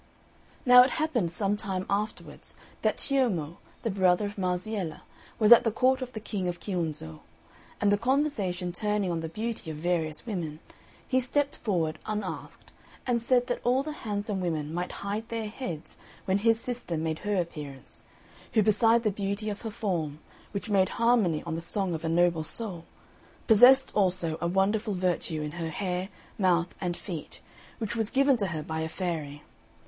Now it happened some time afterwards that Ciommo, the brother of Marziella, was at the court of the King of Chiunzo; and the conversation turning on the beauty of various women, he stepped forward, unasked, and said that all the handsome women might hide their heads when his sister made her appearance, who beside the beauty of her form, which made harmony on the song of a noble soul, possessed also a wonderful virtue in her hair, mouth, and feet, which was given to her by a fairy.